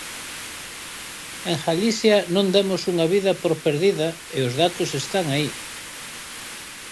En Galicia non demos unha vida por perdida e os datos están aí.